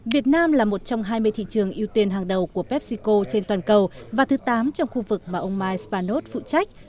việt nam là một trong hai mươi thị trường ưu tiên hàng đầu của pepsico trên toàn cầu và thứ tám trong khu vực mà ông mike spanos phụ trách